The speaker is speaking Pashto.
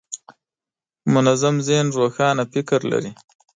منظم ذهن روښانه فکر لري.